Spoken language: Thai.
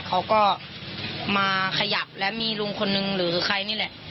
เขาก็มาขยับแล้วมีลุงคนนึงหรือใครนี่แหละ